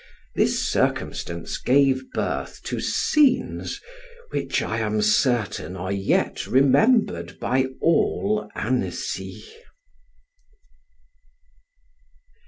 This circumstance gave birth to scenes, which I am certain are yet remembered by all Annecy.